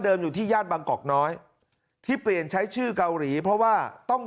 อยู่ที่ย่านบางกอกน้อยที่เปลี่ยนใช้ชื่อเกาหลีเพราะว่าต้อง